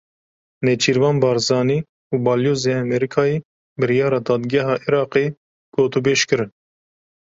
Nêçîrvan Barzanî û Balyozê Amerîkayê biryara dadgeha Iraqê gotûbêj kirin.